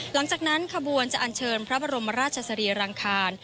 หลังจากนั้นขบวนจะอัญเชิญพระบรมราชสรีรังคาร